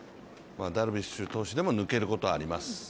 ダルビッシュ投手でも抜けることはあります。